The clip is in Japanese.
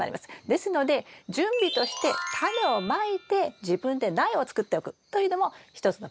ですので準備としてタネをまいて自分で苗を作っておくというのも一つのポイントだと思います。